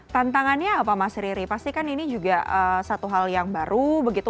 tantangannya apa mas riri pasti kan ini juga satu hal yang baru begitu